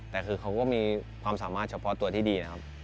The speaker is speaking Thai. แต่คือเขาก็มีความสามารถเฉพาะตัวที่ดีนะครับ